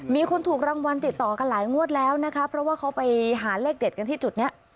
มีคนถูกรางวัลติดต่อกันหลายงวดแล้วนะคะเพราะว่าเขาไปหาเลขเด็ดกันที่จุดนี้